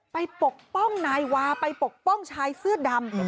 ปกป้องนายวาไปปกป้องชายเสื้อดำ